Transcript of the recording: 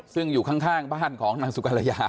ซึ่งอยู่ข้างบ้านของนางสุกรยา